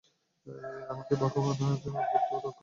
এমনকি ভগবান বুদ্ধও রাগ হবে, যদি সে তাদের মাঝে থাকে।